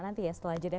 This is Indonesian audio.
nanti ya setelah jadinya